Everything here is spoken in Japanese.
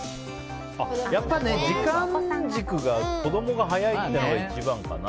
やっぱり時間軸が子供が早いっていうのが一番かな。